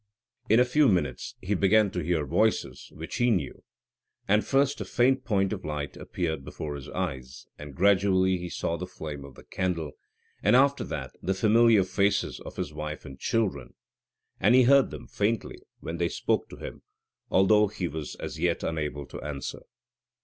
In a few minutes he began to hear voices which he knew, and first a faint point of light appeared before his eyes, and gradually he saw the flame of the candle, and, after that, the familiar faces of his wife and children, and he heard them faintly when they spoke to him, although he was as yet unable to answer.